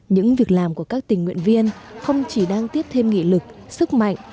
những việc làm của các tình nguyện viên không chỉ đang tiếp thêm nghị lực sức mạnh